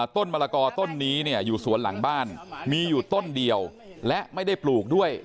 ต้นมะละกอต้นนี้เนี่ยอยู่สวนหลังบ้านมีอยู่ต้นเดียวและไม่ได้ปลูกด้วย